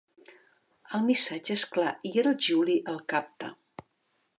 El missatge és clar i el Juli el capta.